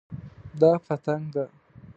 دا پتنګ ده